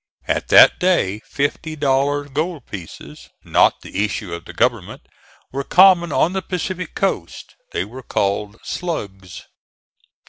At that day fifty dollar gold pieces, not the issue of the government, were common on the Pacific coast. They were called slugs.